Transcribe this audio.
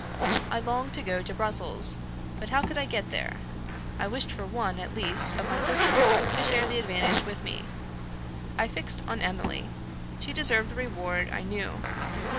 I longed to go to Brussels; but how could I get there? I wished for one, at least, of my sisters to share the advantage with me. I fixed on Emily. She deserved the reward, I knew.